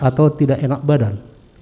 atau tidak enak badan